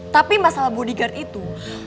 tapi masalah bodyguard itu